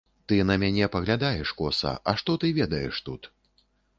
Ты на мяне паглядаеш коса, а што ты ведаеш тут?